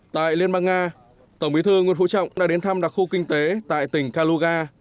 tại liên bang nga tổng bí thư nguyễn phú trọng đã đến thăm đặc khu kinh tế tại tỉnh kaluga